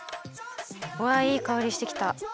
うわいいかおりしてきた。